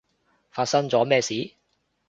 發生咗咩事？